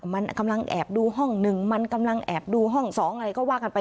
มันกำลังแอบดูห้องหนึ่งมันกำลังแอบดูห้อง๒อะไรก็ว่ากันไป